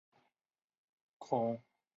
孔达有子得闾叔榖仍为大夫。